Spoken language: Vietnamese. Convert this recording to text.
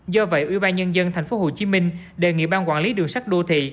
do vậy ubnd thành phố hồ chí minh đề nghị bang quản lý đường sắt đô thị